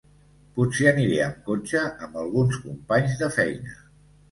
Potser aniré amb cotxe amb alguns companys de feina.